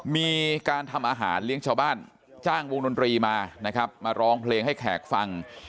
มีการทำอาหารเลี้ยงชาวบ้านจ้างวงดนตรีมานะครับมาร้องเพลงให้แขกฟัง